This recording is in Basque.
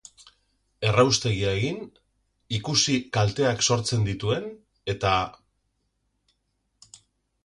Erraustegia egin, ikusi kalteak sortzen dituen eta...